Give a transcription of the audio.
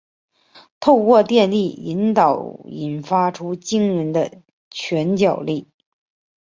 透过电力传导引发出惊人的拳脚力。